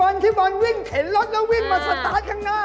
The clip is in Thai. เหรอทีมบอลวิ่งเข็นรถแล้ววิ่งสร้างข้างหน้า